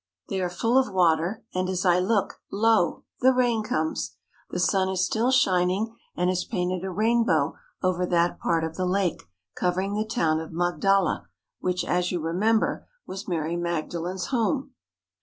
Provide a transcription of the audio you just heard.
They are full of water; and as I look, lo! the rain comes. The sun is still shining and has painted a rainbow over that part of the lake covering the town of Magdala, which, as you remember, was Mary Magdalen's home.